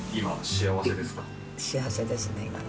幸せですね、今ね。